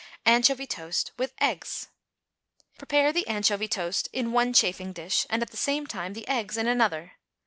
=Anchovy Toast with Eggs.= Prepare the anchovy toast in one chafing dish, and, at the same time, the eggs in another.